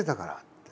って。